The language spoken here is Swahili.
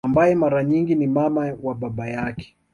Ambaye mara nyingi ni mama wa baba yake